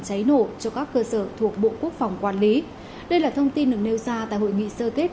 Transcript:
cháy nổ cho các cơ sở thuộc bộ quốc phòng quản lý đây là thông tin được nêu ra tại hội nghị sơ kết